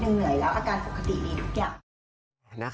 เหนื่อยแล้วอาการปกติดีทุกอย่าง